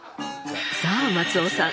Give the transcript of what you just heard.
さあ松尾さん